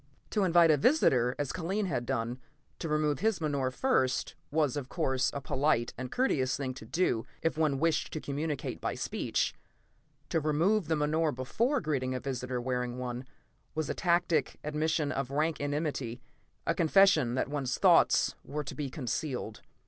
To invite a visitor, as Kellen had done, to remove his menore first, was, of course, a polite and courteous thing to do if one wished to communicate by speech; to remove the menore before greeting a visitor wearing one, was a tacit admission of rank enmity; a confession that one's thoughts were to be concealed.